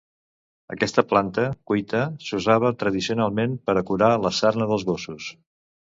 Aquesta planta, cuita, s'usava tradicionalment per a curar la sarna dels gossos.